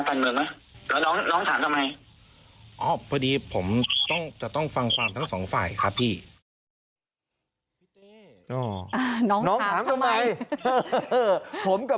คือไม่อยากให้ใครมายุ่งกับคดีนี้